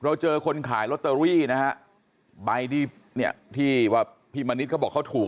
เราเจอคนขายลอตเตอรี่นะใบที่พี่มณิชย์เขาบอกเขาถูก